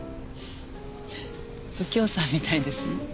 右京さんみたいですね。